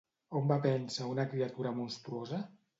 On va vèncer a una criatura monstruosa?